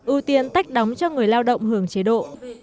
ưu tiên tách đóng cho người lao động hưởng chế độ